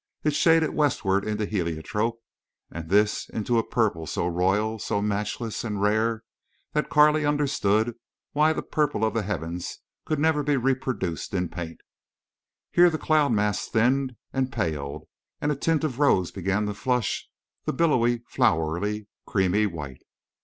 It shaded westward into heliotrope and this into a purple so royal, so matchless and rare that Carley understood why the purple of the heavens could never be reproduced in paint. Here the cloud mass thinned and paled, and a tint of rose began to flush the billowy, flowery, creamy white.